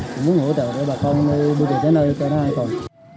cũng muốn hỗ trợ cho bà con bước về tới nơi cho nó an toàn